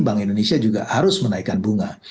bank indonesia juga harus menaikkan bunga